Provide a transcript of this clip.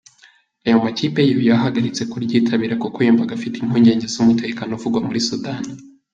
Ayo makipe yo yahagaritse kuryitabira kuko yumvaga afite impungenge z’umutekano uvugwa muri Sudani.